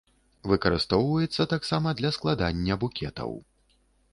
Выкарыстоўваецца таксама для складання букетаў.